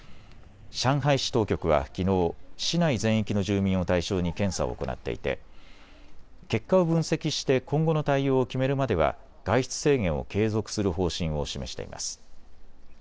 上海市当局はきのう市内全域の住民を対象に検査を行っていて結果を分析して今後の対応を決めるまでは外出制限を継続する方針を示しています。